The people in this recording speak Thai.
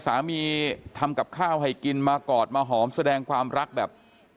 สามีทำกับข้าวให้กินมากอดมาหอมแสดงความรักแบบ